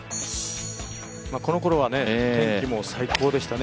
このころは天気も最高でしたね。